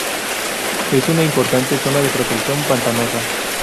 Es una importante zona de protección pantanosa.